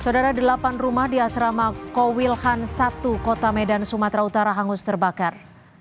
saudara delapan rumah di asrama kowilhan satu kota medan sumatera utara hangus terbakar